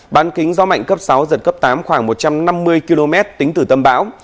bán kính gió mạnh cấp sáu giật cấp tám khoảng một trăm năm mươi km tính từ tâm bão